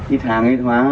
ít hàng ít hóa